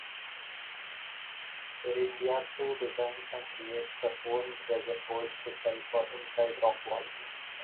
Bereziartu designs and creates her own resin holds to sell for inside rock walls.